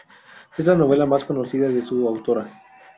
Es la novela más conocida de su autora.